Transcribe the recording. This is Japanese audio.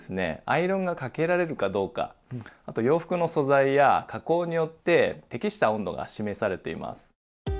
アイロンがかけられるかどうかあと洋服の素材や加工によって適した温度が示されています。